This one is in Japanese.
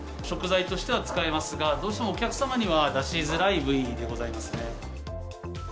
食材としては使えますが、どうしてもお客様には出しづらい部位でございますね。